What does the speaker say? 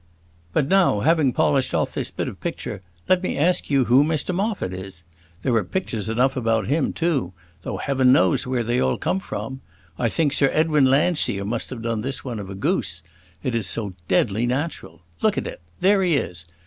"But now, having polished off this bit of picture, let me ask you who Mr Moffat is? There are pictures enough about him, too; though Heaven knows where they all come from. I think Sir Edwin Landseer must have done this one of the goose; it is so deadly natural. Look at it; there he is.